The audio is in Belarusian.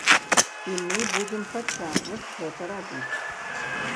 І мы будзем працягваць гэта рабіць.